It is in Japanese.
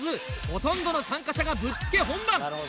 ほとんどの参加者がぶっつけ本番！